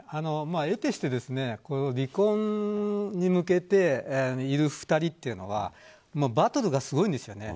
えてして離婚に向けている２人というのはバトルがすごいんですよね。